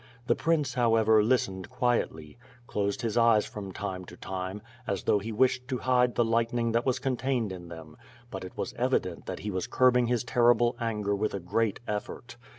The prince, however, listened quietly; closed his eyes from time to time, as though he wished to hide the lightning that was contained in them; but it was evident that he was curbing his terrible anger with a great effort.